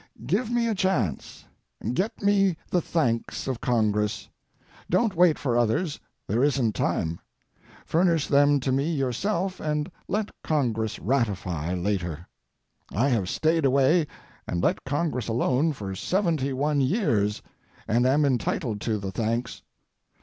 "Give me a chance. Get me the thanks of Congress. Don't wait for others there isn't time; furnish them to me yourself and let Congress ratify later. I have stayed away and let Congress alone for seventy one years and am entitled to the thanks.